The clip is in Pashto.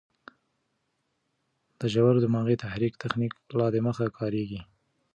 د ژور دماغي تحريک تخنیک لا دمخه کارېږي.